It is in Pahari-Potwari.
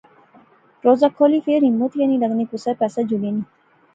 روزہ کھولی فیر ہمت ای نی لغنی کسے پاسے جلنے نی